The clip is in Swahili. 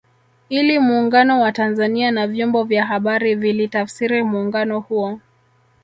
Ili Muungano wa Tanzania na vyombo vya habari vilitafsiri muungano huo